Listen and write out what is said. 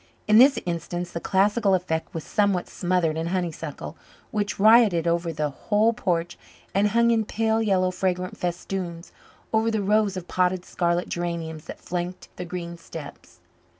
In this instance the classical effect was somewhat smothered in honeysuckle, which rioted over the whole porch and hung in pale yellow, fragrant festoons over the rows of potted scarlet geraniums that flanked the green steps.